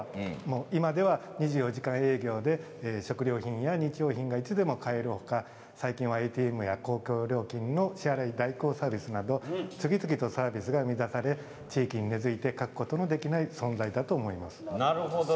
今では２４時間営業で食料品や日用品がいつでも買えるほか最近はＡＴＭや公共料金の支払い代行サービスなど次々とサービスが生み出され地域に根付いて欠くことのできない存在だと思います。